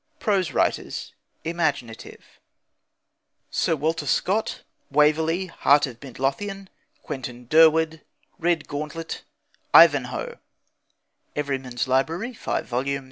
PROSE WRITERS: IMAGINATIVE. £ s. d. SIR WALTER SCOTT, Waverley, Heart of Midlothian, Quentin Durward, Red gauntlet, Ivanhoe: Everyman's Library (5 vols.)